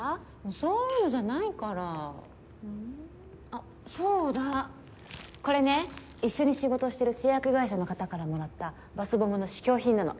あそうだ！これね一緒に仕事してる製薬会社の方から貰ったバスボムの試供品なの。